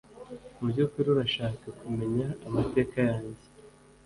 mubyukuri urashaka kumenya amateka yanjye.